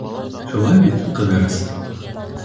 Шулай бит, Ҡыҙырас?..